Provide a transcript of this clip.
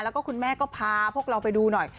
แล้วก็คุณแม่ก็พาพวกเราไปดูหน่อย